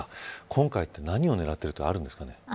今回は何を狙っているとかはあるんですかね。